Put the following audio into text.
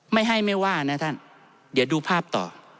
ไม่ให้ไม่ว่านะท่านเดี๋ยวดูภาพต่อ